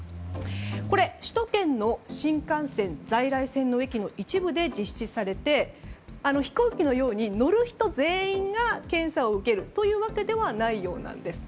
これ、首都圏の新幹線在来線の駅の一部で実施されて、飛行機のように乗る人全員が検査を受けるというわけではないようです。